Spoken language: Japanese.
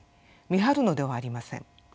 見張るのではありません。